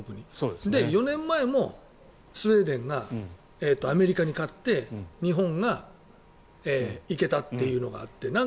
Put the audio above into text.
で、４年前もスウェーデンがアメリカに勝って日本が行けたというのがあって。